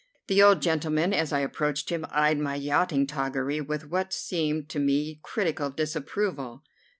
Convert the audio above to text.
The old gentleman, as I approached him, eyed my yachting toggery with what seemed to me critical disapproval.